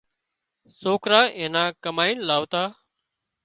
سوڪرا اين نا ڪمائينَ لاوتا